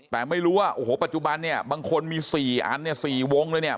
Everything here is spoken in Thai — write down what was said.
แต่ไม่รู้ว่าโอ้โหปัจจุบันเนี่ยบางคนมี๔อันเนี่ย๔วงเลยเนี่ย